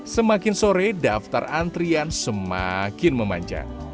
semakin sore daftar antrian semakin memanjang